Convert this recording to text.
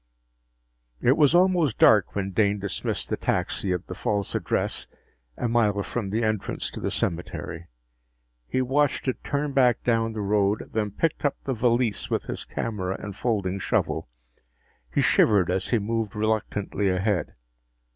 It was almost dark when Dane dismissed the taxi at the false address, a mile from the entrance to the cemetery. He watched it turn back down the road, then picked up the valise with his camera and folding shovel. He shivered as he moved reluctantly ahead.